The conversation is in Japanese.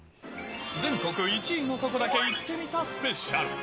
全国１位のとこだけ行ってみたスペシャル。